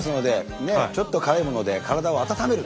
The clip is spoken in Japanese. ちょっと辛いもので体を温める。